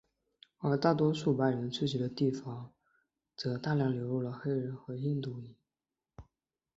而大多数白人聚居的地方则大量流入了黑人和印度裔。